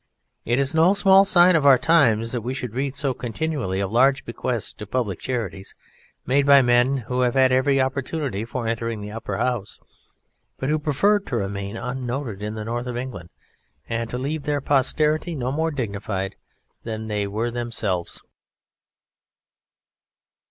It is no small sign of our times that we should read so continually of large bequests to public charities made by men who have had every opportunity for entering the Upper House but who preferred to remain unnoted in the North of England and to leave their posterity no more dignified than they were themselves.